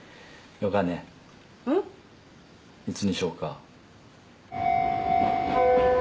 いつにしようか。